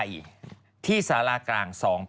เยอะ